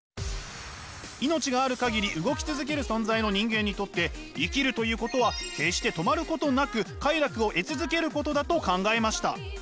命がある限り動き続ける存在の人間にとって生きるということは決して止まることなく快楽を得続けることだと考えました。